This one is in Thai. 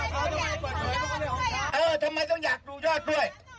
ทำไมต้องอยากดูยอดด้วยเออทำไมต้องอยากดูยอดด้วย